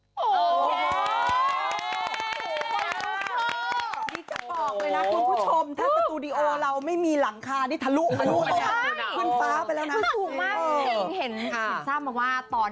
เพราะคุณนิ๊กซ์ไม่ปล่อยผ่านง่าย